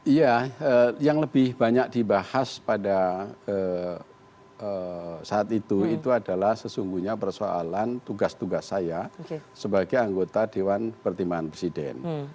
iya yang lebih banyak dibahas pada saat itu itu adalah sesungguhnya persoalan tugas tugas saya sebagai anggota dewan pertimbangan presiden